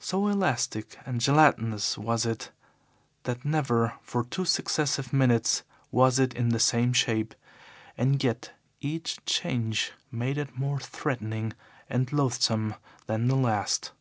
So elastic and gelatinous was it that never for two successive minutes was it the same shape, and yet each change made it more threatening and loathsome than the last.